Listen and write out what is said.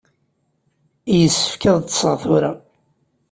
Yessefk ad ṭṭseɣ tura.